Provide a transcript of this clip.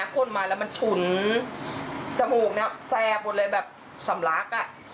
พ่นมาแล้วมันฉุนจมูกแบบแซ่ปลอดเล็กแบบสำหรัก